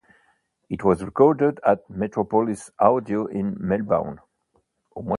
It was recorded at Metropolis Audio in Melbourne.